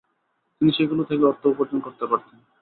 তিনি সেগুলো থেকে অর্থ উপার্জন করতে পারতেন।